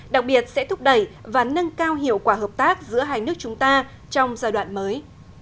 đặc biệt sẽ thúc đẩy và nâng cao hiệu quả hợp tác giữa hai nước chúng ta trong giai đoạn mới